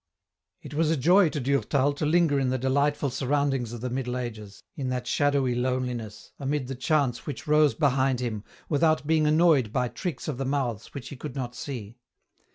It was a joy to Durtal to linger in the delightful sur roundings of the Middle Ages, in that shadowy loneliness, amid the chants which rose behind him, without being annoyed by tricks of the mouths which he could not see.